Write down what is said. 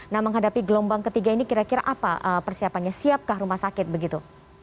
nah menghadapi gelombang ketiga ini kira kira apa persiapannya siapkah rumah sakit begitu